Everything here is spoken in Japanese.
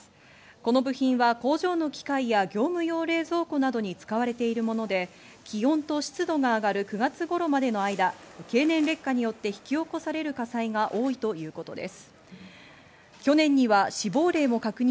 この部品は工場の機械や業務用冷蔵庫などに使われているもので、気温と湿度が上がる９月頃までの間、経年劣化によって引き起こされる火災が多お天気です。